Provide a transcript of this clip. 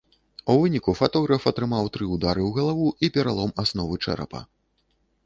У выніку фатограф атрымаў тры ўдары ў галаву і пералом асновы чэрапа.